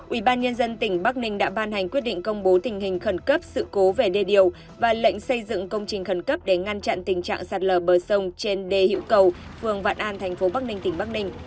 ủy ban nhân dân tỉnh bắc ninh đã ban hành quyết định công bố tình hình khẩn cấp sự cố về đê điều và lệnh xây dựng công trình khẩn cấp để ngăn chặn tình trạng sạt lở bờ sông trên đê hiệu cầu phường vạn an thành phố bắc ninh tỉnh bắc ninh